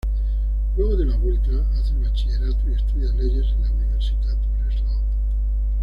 Luego de la vuelta hace el bachillerato y estudia leyes en la Universität Breslau.